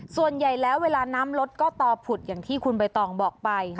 ส่วนใหญ่แล้วเวลาน้ำลดก็ต่อผุดอย่างที่คุณใบตองบอกไป